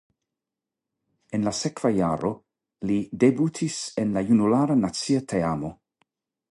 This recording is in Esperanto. En la sekva jaro li debutis en la junulara nacia teamo.